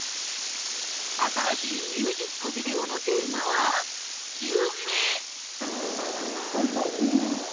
新しいミュージックビデオのテーマは夢